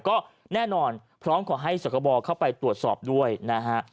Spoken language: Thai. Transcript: ก็แน่นอนพร้อมขอให้สกบเข้าไปตรวจสอบด้วยนะฮะ